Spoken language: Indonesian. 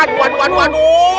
aduh aduh aduh aduh